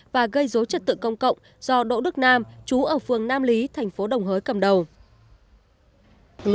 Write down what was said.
và gây dối trật tự công cộng do đỗ đức nam chú ở phương nam lý thành phố đồng hới cầm đầu